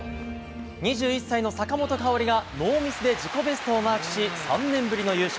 ２１歳の坂本花織がノーミスで自己ベストをマークし３年ぶりの優勝。